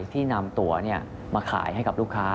ที่นำตัวมาขายให้กับลูกค้า